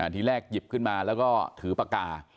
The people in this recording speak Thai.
ทีแรกหยิบขึ้นมาแล้วก็ถือปากกา